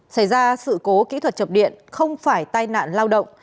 xảy ra sự cố kỹ thuật chập điện không phải tai nạn lao động